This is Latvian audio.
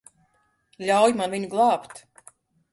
Ļauj man viņu glābt.